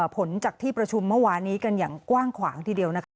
ผลจากที่ประชุมเมื่อวานนี้กันอย่างกว้างขวางทีเดียวนะคะ